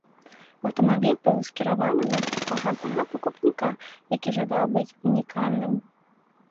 Аўтамабіль быў скіраваны на экстравагантнага пакупніка, які жадаў быць унікальным.